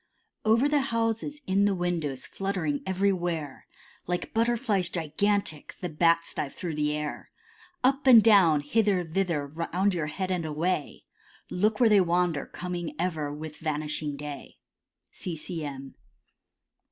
Over the houses, in the windows, fluttering everywhere, Like Butterflies gigantic, the Bats dive through the air; Up and down, hither, thither, round your head and away, Look where they wander, coming ever with vanishing day. C. C. M.